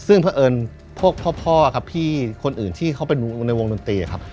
ซึ่งเพราะเอิญพวกพ่อครับพี่คนอื่นที่เขาเป็นในวงดนตรีครับ